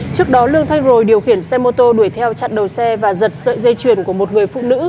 trước đó lương thanh rồi điều khiển xe mô tô đuổi theo chặn đầu xe và giật sợi dây chuyền của một người phụ nữ